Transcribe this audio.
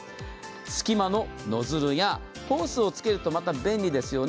すき間のノズルやホースをつけるとまた便利ですよね。